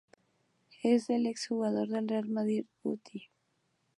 Es del ex-jugador del Real Madrid, Guti.